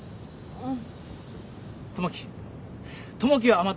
うん。